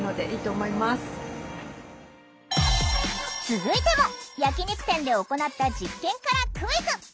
続いても焼き肉店で行った実験からクイズ！